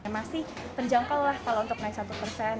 masih terjangkau lah kalau untuk naik satu persen